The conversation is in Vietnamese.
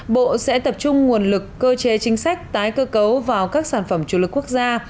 bộ sẽ tập trung nguồn lực cơ chế chính sách tái cơ cấu vào các sản phẩm chủ lực quốc gia